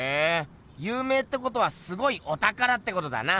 ゆう名ってことはすごいおたからってことだな！